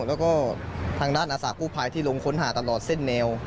แล้วก็ทางด้านอาสากู้ภัยที่ลงค้นหาตลอดเส้นแนว